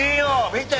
見て。